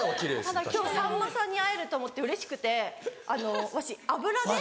今日さんまさんに会えると思ってうれしくてわし脂で。